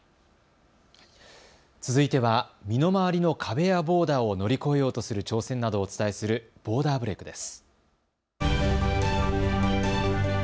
続いては身の回りの壁やボーダーを乗り越えようとする挑戦などをお伝えする、ボーダーブレイクです。